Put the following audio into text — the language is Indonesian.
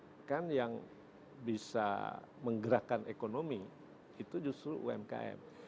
bahkan yang bisa menggerakkan ekonomi itu justru umkm